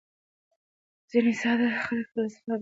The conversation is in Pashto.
ځیني ساده خلک فلسفه بېثمره علم ګڼي.